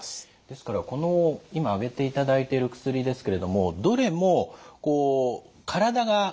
ですからこの今挙げていただいてる薬ですけれどもどれもこう体が薬に慣れてしまう。